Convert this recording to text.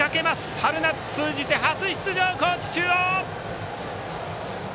春夏通じて初出場の高知中央！